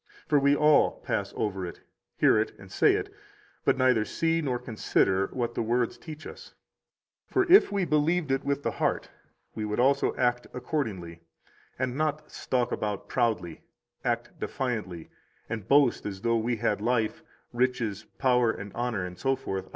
For we all pass over it, hear it and say it, but neither see nor consider what the words teach us. 21 For if we believed it with the heart, we would also act accordingly, and not stalk about proudly, act defiantly, and boast as though we had life, riches, power, and honor, etc.